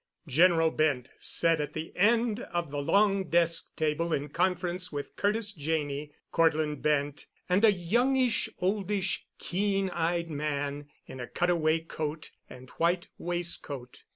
General Bent sat at the end of the long desk table in conference with Curtis Janney, Cortland Bent, and a youngish oldish, keen eyed man in a cutaway coat and white waistcoat.